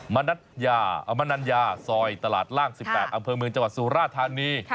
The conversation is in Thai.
มะนัดยามะนันยาซอยตลาดล่าง๑๘อำเภอเมืองจังหวัดสุราธารณี